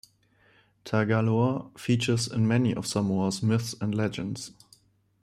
Tagaloa features in many of Samoa's myths and legends.